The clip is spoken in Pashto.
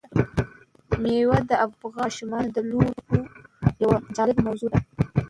مېوې د افغان ماشومانو د لوبو یوه جالبه موضوع ده.